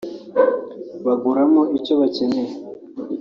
baguramo icyo bakeneye